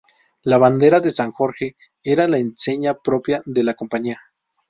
La bandera de San Jorge era la enseña propia de la Compañía.